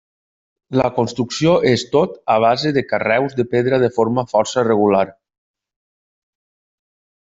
La construcció és tot a base de carreus de pedra de forma força regular.